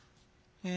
え？